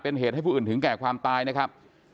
เป็นเหตุให้ผู้อื่นถึงแก่ความตายนะครับ